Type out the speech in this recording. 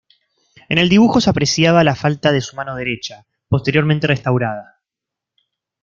En el dibujo se apreciaba la falta de su mano derecha, posteriormente restaurada.